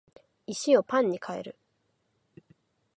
石をパンに変える